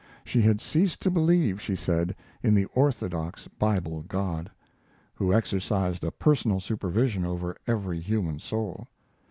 She had ceased to believe, she said, in the orthodox Bible God, who exercised a personal supervision over every human soul.